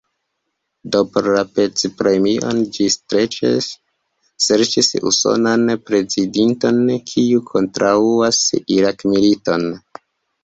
Do por la pac-premio ĝi streĉe serĉis usonan prezidinton, kiu kontraŭas Irak-militon.